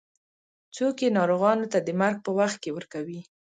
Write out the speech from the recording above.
څوک یې ناروغانو ته د مرګ په وخت کې ورکوي.